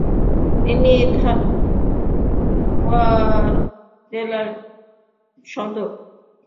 তিনি ধারওয়াড় জেলার সদর ধারওয়াড়ে তার ভাইয়ের কাছে থাকতেন।